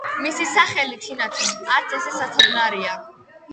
მისი სახელი - თინათინ, არც ესე საცოდნარია